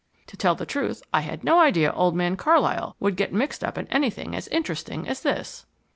To tell the truth, I had no idea old man Carlyle would get mixed up in anything as interesting as this."